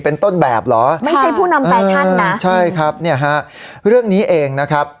เป็นต้นแบบเหรอไม่ใช่ผู้นำแฟชั่นนะใช่ครับเนี่ยฮะเรื่องนี้เองนะครับ